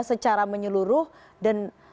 secara menyeluruh dan